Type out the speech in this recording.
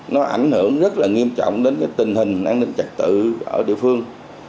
nó ảnh hưởng rất là nghiêm trọng đến tình hình an ninh trạc tự ở địa phương